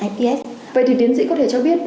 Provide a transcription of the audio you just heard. ips vậy thì tiến sĩ có thể cho biết